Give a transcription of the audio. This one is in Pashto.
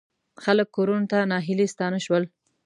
خلک کورونو ته ناهیلي ستانه شول.